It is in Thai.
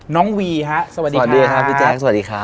น้องวีครับสวัสดีครับสวัสดีครับพี่แจ๊คสวัสดีครับ